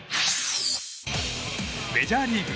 メジャーリーグ。